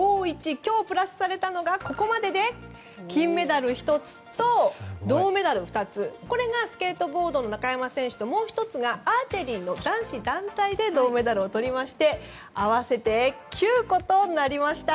今日プラスされたのがここまでで金メダル１つと銅メダル２つ、これがスケートボードの中山選手とアーチェリー男子団体で銅メダルをとりまして合わせて９個となりました。